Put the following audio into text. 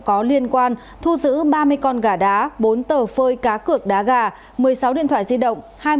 có liên quan thu giữ ba mươi con gà đá bốn tờ phơi cá cược đá gà một mươi sáu điện thoại di động